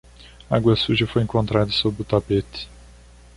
Água suja foi encontrada sob o tapete